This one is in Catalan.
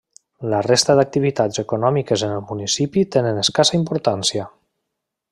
La resta d'activitats econòmiques en el municipi tenen escassa importància.